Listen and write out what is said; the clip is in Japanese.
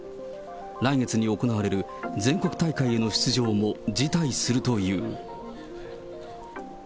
来月に行われる全国大会への出場も、辞退するという。